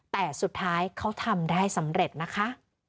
แต่สุดท้ายเขาทำได้สำเร็จนะคะ